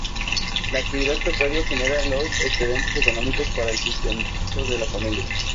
La actividad pecuaria genera los excedentes económicos para el sustento de la familia.